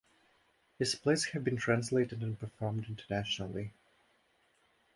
His plays have been translated and performed internationally.